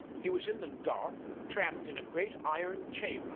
He was in the dark, trapped in a great iron chamber.